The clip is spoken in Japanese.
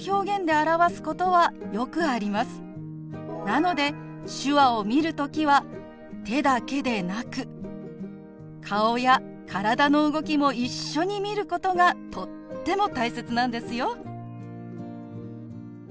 なので手話を見る時は手だけでなく顔や体の動きも一緒に見ることがとっても大切なんですよ。